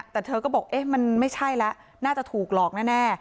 แต่เธอก็บอกเอ๊ะมันไม่ใช่แล้วน่าจะถูกหลอกแน่